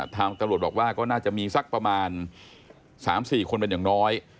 ตำรวจบอกว่าก็น่าจะมีสักประมาณ๓๔คนเป็นอย่างน้อย